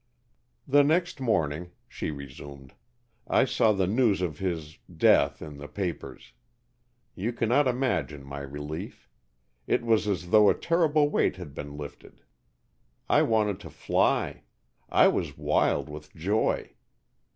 "The next morning," she resumed, "I saw the news of his death in the papers. You cannot imagine my relief. It was as though a terrible weight had been lifted. I wanted to fly. I was wild with joy.